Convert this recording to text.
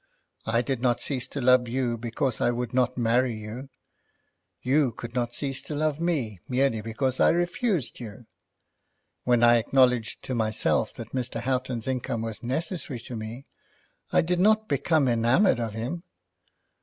I did not cease to love you because I would not marry you. You could not cease to love me merely because I refused you. When I acknowledged to myself that Mr. Houghton's income was necessary to me, I did not become enamoured of him.